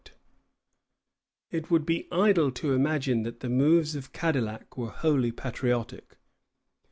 It would be idle to imagine that the motives of Cadillac were wholly patriotic.